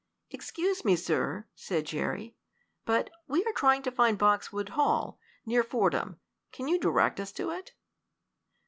"Excuse me, sir," said Jerry, "but we are trying to find Boxwood Hall, near Fordham. Can you direct us to it?"